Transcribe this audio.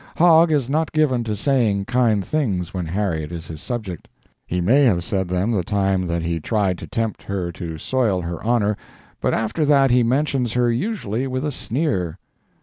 Hogg is not given to saying kind things when Harriet is his subject. He may have said them the time that he tried to tempt her to soil her honor, but after that he mentions her usually with a sneer.